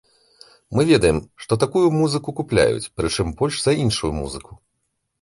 Мы ведаем, што такую музыку купляюць, прычым больш за іншую музыку.